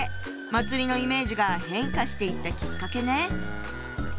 祭のイメージが変化していったきっかけね。